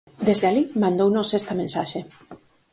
Desde alí mandounos esta mensaxe.